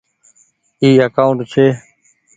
اي اڪآونٽ ڇي۔